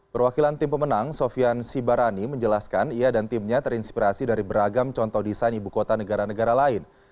perwakilan tim pemenang sofian sibarani menjelaskan ia dan timnya terinspirasi dari beragam contoh desain ibu kota negara negara lain